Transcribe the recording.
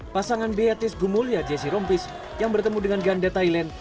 pasangan beates gumulya jesse rompis yang bertemu dengan ganda thailand